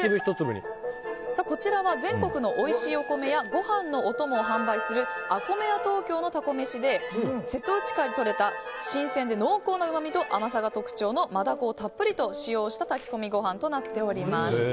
こちらは全国のおいしいお米やご飯のお供を販売するＡＫＯＭＥＹＡＴＯＫＹＯの蛸めしで瀬戸内海でとれた新鮮で濃厚なうまみと甘さが特徴のマダコをたっぷりと使った炊き込みご飯となっております。